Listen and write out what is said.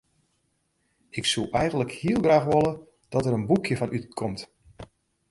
Ik soe eigentlik heel graach wolle dat der in boekje fan útkomt.